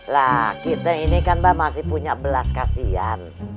lah kita ini kan mbak masih punya belas kasihan